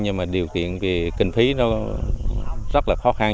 nhưng mà điều kiện về kinh phí nó rất là khó khăn